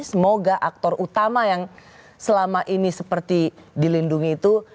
semoga aktor utama yang selama ini seperti dilindungi itu